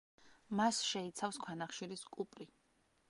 მას შეიცავს ქვანახშირის კუპრი.